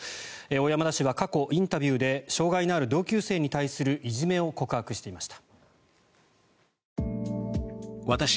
小山田氏は過去、インタビューで障害のある同級生に対するいじめを告白していました。